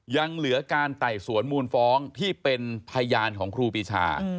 ยังเหลือการไต่สวนมูลฟ้องที่เป็นพยานของครูปีชา